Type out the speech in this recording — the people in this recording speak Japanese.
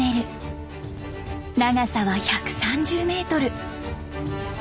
長さは１３０メートル。